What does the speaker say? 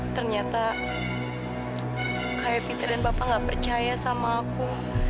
ternyata kak epita dan bapak gak percaya sama aku